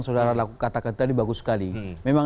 saudara katakan tadi bagus sekali memang